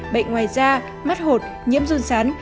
bệnh ngoài da mắt hột nhiễm run sán